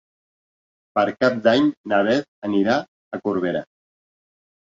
Per Cap d'Any na Beth anirà a Corbera.